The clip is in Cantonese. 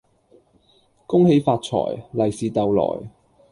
恭喜發財，利是逗來